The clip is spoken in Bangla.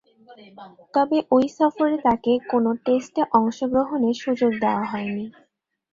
তবে, ঐ সফরে তাকে কোন টেস্টে অংশগ্রহণের সুযোগ দেয়া হয়নি।